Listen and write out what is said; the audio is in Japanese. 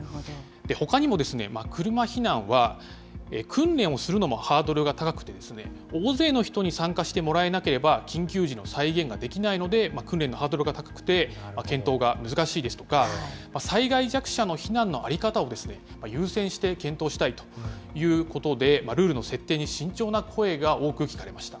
ほかにも車避難は訓練をするのもハードルが高くて、大勢の人に参加してもらえなければ緊急時の再現ができないので、訓練のハードルが高くて、検討が難しいですとか、災害弱者の避難の在り方を優先して検討したいということで、ルールの設定に慎重な声が多く聞かれました。